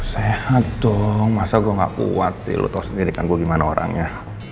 sehat dong masa gua ga kuat sih lu tau sendiri kan gua gimana orangnya